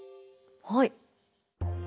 はい。